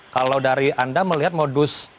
kalau dari anda melihat modus